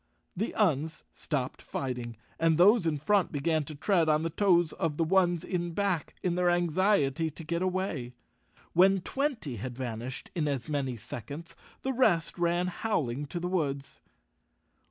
The Uns stopped fighting, and those in front began to tread on the toes of the ones in back, in their anxiety to get away. When twenty had van¬ ished in as many seconds, the rest ran howling to the woods.